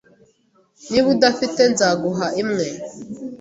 Niba udafite, nzaguha imwe.